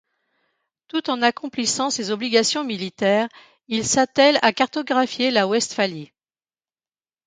Tout en accomplissant ses obligations militaires, il s'attelle à cartographier la Westphalie.